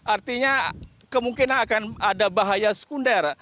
artinya kemungkinan akan ada bahaya sekunder